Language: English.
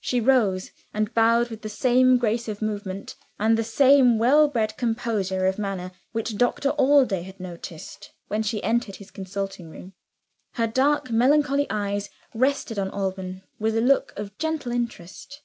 She rose and bowed with the same grace of movement, and the same well bred composure of manner, which Doctor Allday had noticed when she entered his consulting room. Her dark melancholy eyes rested on Alban with a look of gentle interest.